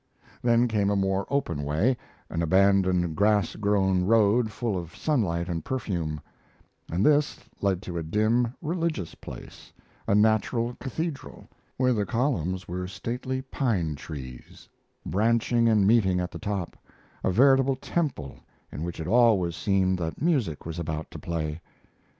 Then came a more open way, an abandoned grass grown road full of sunlight and perfume; and this led to a dim, religious place, a natural cathedral, where the columns were stately pine trees branching and meeting at the top: a veritable temple in which it always seemed that music was about to play.